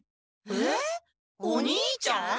えっお兄ちゃん！？